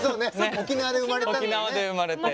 沖縄で生まれたんだもんね。